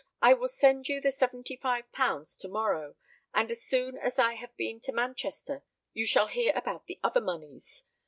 "I will send you the £75 to morrow, and as soon as I have been to Manchester you shall hear about other moneys.